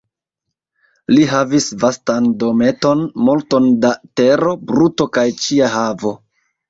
Li havis vastan dometon, multon da tero, bruto kaj ĉia havo.